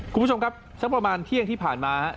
คุณผู้ชมครับสักประมาณเที่ยงที่ผ่านมาครับ